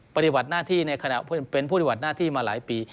ปฏิบัติหน้าที่ในขณะเป็นผู้ปฏิบัติหน้าที่มาหลายปี